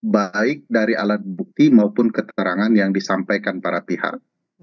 baik dari alat bukti maupun keterangan yang disampaikan para pihak